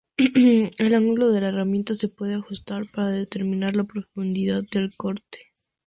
El ángulo de la herramienta se puede ajustar para determinar la profundidad del corte.